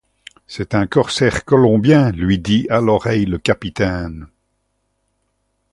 C’est un corsaire colombien, lui dit à l’oreille le capitaine.